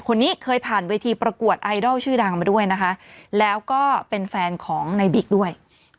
คนนี้เคยผ่านเวทีประกวดไอดอลชื่อดังมาด้วยนะคะแล้วก็เป็นแฟนของในบิ๊กด้วย